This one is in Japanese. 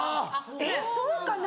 えっそうかな？